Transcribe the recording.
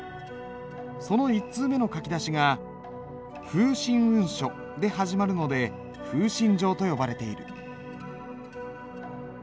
その１通目の書き出しが「風信雲書」で始まるので「風信帖」と呼ばれている。